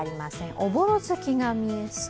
おぼろ月が見えそう？